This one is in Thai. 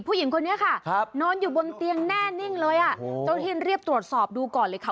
ผู้หญิงคนนี้ค่ะนอนอยู่บนเตียงแน่นิ่งเลยอ่ะเจ้าที่รีบตรวจสอบดูก่อนเลยค่ะ